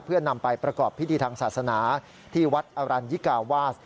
เพื่อนำไปประกอบพิธีทางศาสนาที่วัดอรัญญิกาวาส